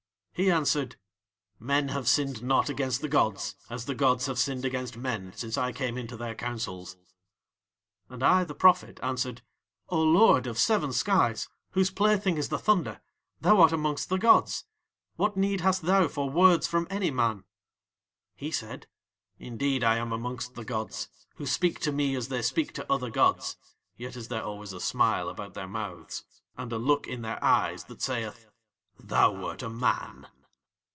"He answered: 'Men have sinned not against the gods as the gods have sinned against men since I came into Their councils.' "And I, the prophet, answered: 'O Lord of seven skies, whose plaything is the thunder, thou art amongst the gods, what need hast thou for words from any man?' "He said: 'Indeed I am amongst the gods, who speak to me as they speak to other gods, yet is there always a smile about Their mouths, and a look in Their eyes that saith: "Thou wert a man."'